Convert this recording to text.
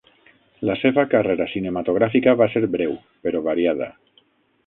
La seva carrera cinematogràfica va ser breu, però variada.